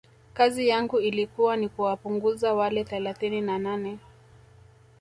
kazi yangu ilikuwa ni kuwapunguza wale thelathini na nane